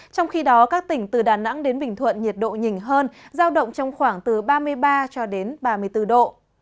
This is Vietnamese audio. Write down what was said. trong khi đó các tỉnh từ đà nẵng đến bình thuận nhiệt độ nhìn hơn giao động trong khoảng từ ba mươi ba cho đến ba mươi bốn độ